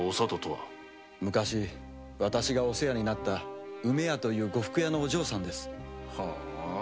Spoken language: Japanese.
昔お世話になった梅屋という呉服屋のお嬢さんです。